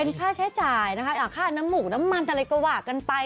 ค่าใช้จ่ายนะคะค่าน้ำหมูกน้ำมันอะไรก็ว่ากันไป